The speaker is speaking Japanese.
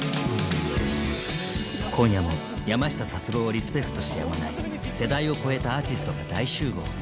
今夜も山下達郎をリスペクトしてやまない世代を超えたアーティストが大集合。